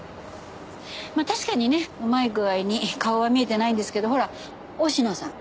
まあ確かにねうまい具合に顔は見えてないんですけどほら忍野さん